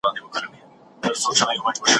ډېر کسان د واکسین په اړه شکمن دي.